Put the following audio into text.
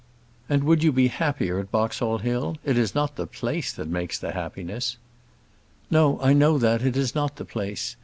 "And would you be happier at Boxall Hill? It is not the place makes the happiness." "No, I know that; it is not the place.